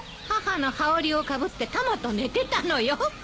母の羽織をかぶってタマと寝てたのよ。